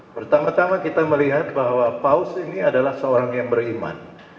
pertama tama kita melihat bahwa paus ini adalah seorang yang beriman